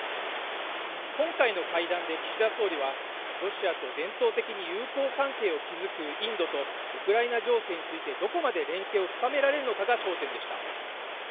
今回の会談で岸田総理は、ロシアと伝統的に友好関係を築くインドとウクライナ情勢についてどこまで連携を深められるのかが焦点でした。